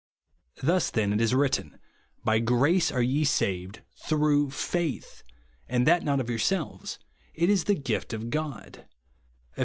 Thus then it is written, "By grace are ye saved, through faith; and that not of yourselves : it is the gift of God," (Eph.